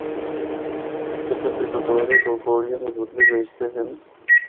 پتل دے کٹورے دو کوڑیاں دے بدلے بیچدے ہن۔